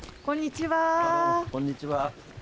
こんにちは。